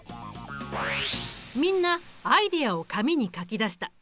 みんなアイデアを紙に書き出した。